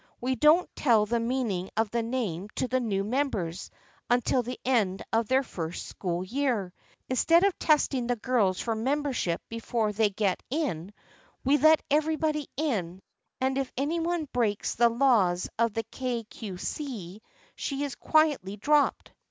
We don't tell the meaning of the name to the new members un til the end of their first school year. Instead of testing the girls for membership before they get in, we let everybody in, and if any one breaks the laws of the Kay Cue See she is quietly dropped.